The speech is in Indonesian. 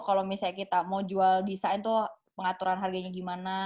kalau misalnya kita mau jual desain tuh pengaturan harganya gimana